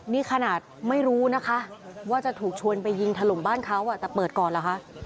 นี่ขนาดไม่รู้นะคะว่าจะถูกชวนไปยิงถล่มบ้านเขาแต่เปิดก่อนเหรอคะ